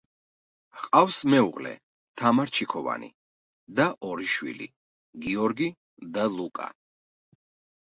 ჰყავს მეუღლე, თამარ ჩიქოვანი და ორი შვილი: გიორგი და ლუკა.